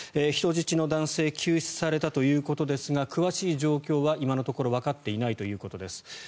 人質の男性は救出されたということですが詳しい状況は今のところわかっていないということです。